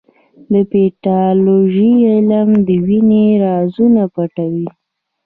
د پیتالوژي علم د وینې رازونه پټوي.